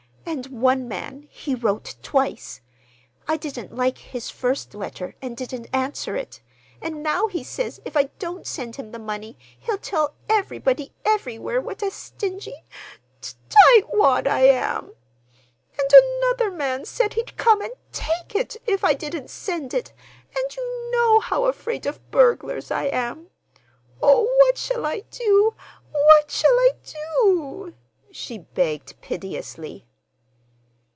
And one man—he wrote twice. I didn't like his first letter and didn't answer it; and now he says if I don't send him the money he'll tell everybody everywhere what a stingy t tight wad I am. And another man said he'd come and take it if I didn't send it; and you know how afraid of burglars I am! Oh what shall I do, what shall I do?" she begged piteously.